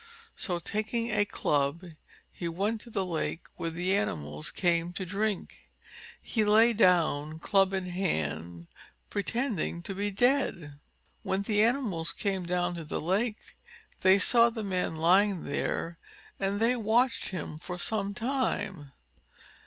So taking a club, he went to the lake where the animals came to drink. He lay down, club in hand, pretending to be dead. When the animals came down to the lake they saw the man lying there and they watched him for some time.